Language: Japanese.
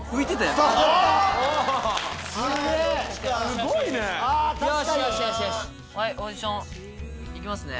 すごいね！